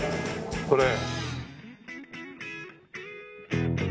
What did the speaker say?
これ。